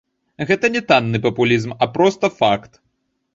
Гэта не танны папулізм, а проста факт.